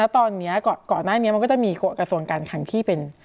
ตอนนี้ก่อนหน้านี้มันก็จะมีกระทรวงการคังที่เป็น